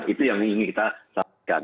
itu yang ingin kita sampaikan